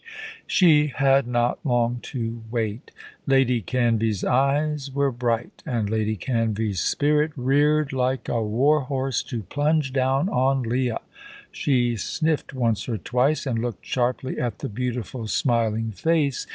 She had not long to wait. Lady Canvey's eyes were bright, and Lady Canvey's spirit reared like a warhorse to plunge down on Leah. She sniffed once or twice, and looked sharply at the beautiful, smiling face.